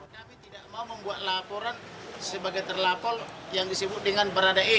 kami tidak mau membuat laporan sebagai terlapor yang disebut dengan baradae